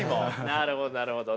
なるほどなるほどね。